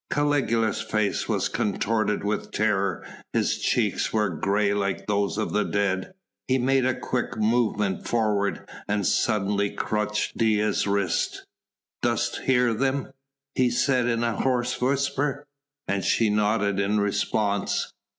Caligula's face was contorted with terror, his cheeks were grey like those of the dead. He made a quick movement forward and suddenly clutched Dea's wrist. "Dost hear them?" he said in a hoarse whisper. And she nodded in response.